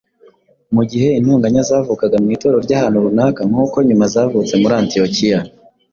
Igihe intonganya zavukaga mu Itorero ry’ahantu runaka nk’uko nyuma zavutse muri Antiyokiya